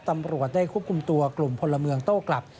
ตำรวจได้ควบคุมตัวกลุ่มพลเมืองโต้กลับ